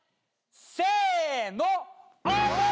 せのオープン！